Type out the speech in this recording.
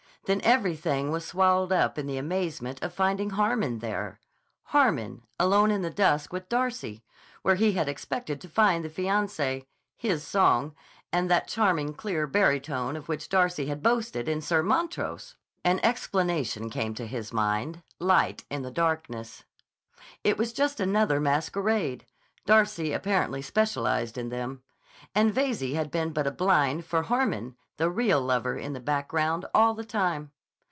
Then everything was swallowed up in the amazement of finding Hannon there. Harmon—alone in the dusk with Darcy where he had expected to find the fiancé—his song—and that charming, clear barytone of which Darcy had boasted in Sir Montrose! An explanation came to his mind, light in the darkness. It was just another masquerade—Darcy apparently specialized in them—and Veyze had been but a blind for Harmon, the real lover in the background, all the time.